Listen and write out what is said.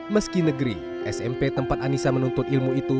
meski negeri smp tempat anissa menuntut ilmu itu